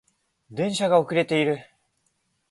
電車が遅れている